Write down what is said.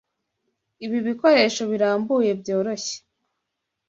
Ibi bikoresho birambuye byoroshye.